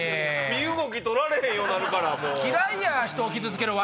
身動きとられへんようになるから。